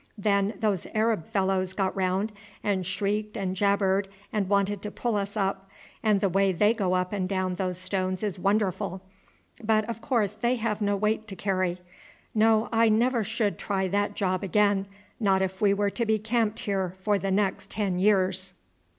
Then those Arab fellows got round, and shrieked and jabbered and wanted to pull us up; and the way they go up and down those stones is wonderful. But of course they have no weight to carry. No, I never should try that job again, not if we were to be camped here for the next ten years."